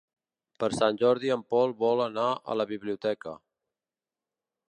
Per Sant Jordi en Pol vol anar a la biblioteca.